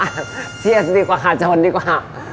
หรือว่าเชียร์ดีกว่าขาชนดีกว่า